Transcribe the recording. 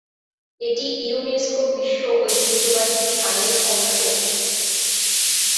এটি ইউনেস্কো বিশ্ব ঐতিহ্যবাহী স্থানের অংশ।